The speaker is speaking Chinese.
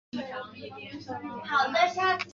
石川县出身。